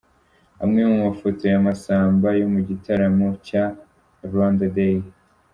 Amwe mu mafoto ya Massamba yo mu gitaramo cya Rwanda Day.